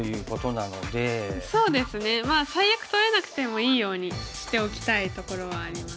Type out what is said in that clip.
そうですね最悪取れなくてもいいようにしておきたいところはあります。